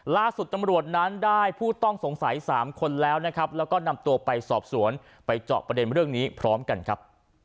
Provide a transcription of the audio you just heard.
ล่าสุดตำรวจนั้นได้ผู้ต้องสงสัย๓คนแล้วนะครับแล้วก็นำตัวไปสอบสวนไปเจาะประเด็นเรื่องนี้พร้อมกันครับ